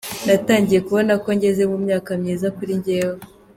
Natangiye kubona ko ngeze mu myaka myiza kuri njyewe.